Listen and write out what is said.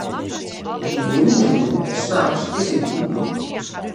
Yn 'e jûnsoeren en nachts is dêr gjinien.